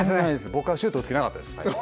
僕はシュート打つ気なかったです、最初。